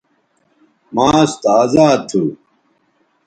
ماس تازا تھو